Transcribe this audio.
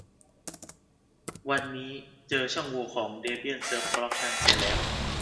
วันนี้เจอช่องโหว่ของดีเบียนเซิฟบล๊อกนันเสียแล้ว